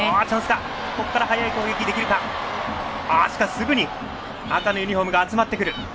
すぐに赤のユニフォームが集まってくる。